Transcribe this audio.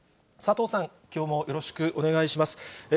佐藤さん、きょうもよろしくお願いします。